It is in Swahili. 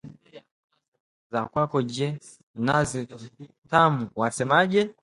za kwako je? Nazi Tamu wasema? Je